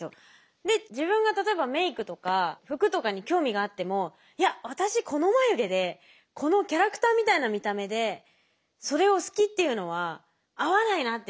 で自分が例えばメークとか服とかに興味があってもいや私この眉毛でこのキャラクターみたいな見た目でそれを好きっていうのは合わないなって自分の中で思って。